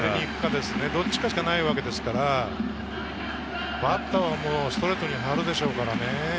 どっちかしかないわけですから、バッターはストレートにはるでしょうからね。